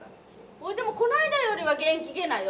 ほいでもこの間よりは元気げなよ。